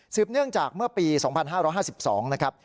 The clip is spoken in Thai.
เนื่องจากเมื่อปี๒๕๕๒นะครับ